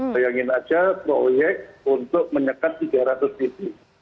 sayangin aja proyek untuk menyekat tiga ratus titik